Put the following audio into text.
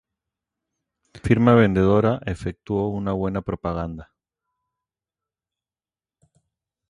La firma vendedora efectuó una buena propaganda.